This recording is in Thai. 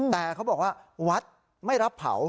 แต่เขาบอกว่าวัดไม่รับเผา